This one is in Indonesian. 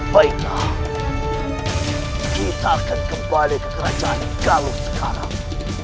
baiklah kita akan kembali ke kerajaan kalau sekarang